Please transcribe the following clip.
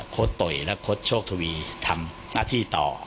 โค้ดโต๊ยและโค้ดโชว์คทวีท์ทำหน้าที่ต่อ